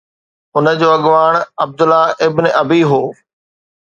ان جو اڳواڻ Abdullah ibn Ubayy هو